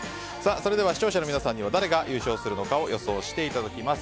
それでは視聴者の皆さんには誰が優勝するのかを予想していただきます。